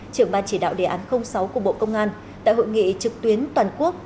trưởng ban chỉ đạo đề án sáu của bộ công an tại hội nghị trực tuyến toàn quốc